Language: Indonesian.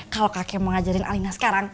kalo kakek mau ngajarin alina sekarang